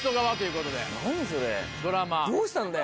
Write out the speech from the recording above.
それどうしたんだよ？